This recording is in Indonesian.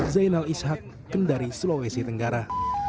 zainal ishak kendari sulawesi tenggara